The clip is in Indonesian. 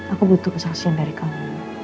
aku butuh kesaksian dari kamu